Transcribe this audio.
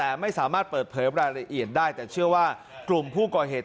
แต่ไม่สามารถเปิดเผยรายละเอียดได้แต่เชื่อว่ากลุ่มผู้ก่อเหตุ